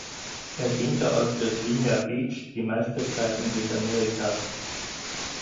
Er diente aus Virginia Beach die meiste Zeit in Südamerika.